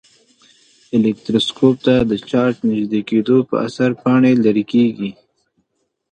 الکتروسکوپ ته د چارج نژدې کېدو په اثر پاڼې لیري کیږي.